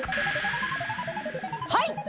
はい！